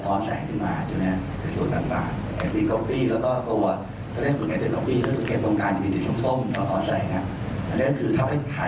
ตัวเส้นราดผ่านตัวเลขน่ะมันจะเป็นสีที่มันหรือบทสีชมพูเนี่ย